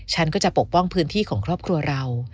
ฉันก็จะปกป้องพื้นที่ของครอบครัวเรา